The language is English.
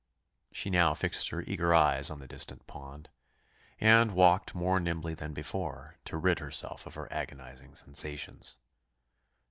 She now fixed her eager eyes on the distant pond, and walked more nimbly than before, to rid herself of her agonising sensations.